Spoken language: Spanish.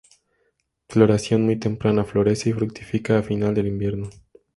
Floración muy temprana, Florece y fructifica a final del invierno.